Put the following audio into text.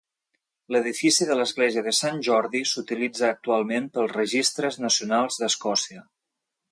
L'edifici de l'església de Sant Jordi s'utilitza actualment pels registres nacionals d'Escòcia.